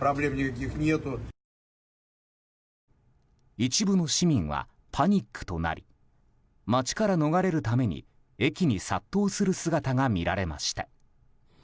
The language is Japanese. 一部の市民はパニックとなり街から逃れるために駅に殺到する姿が見られました。